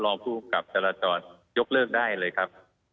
พระรองผู้กับจราจรยกเลิกได้เลยครับ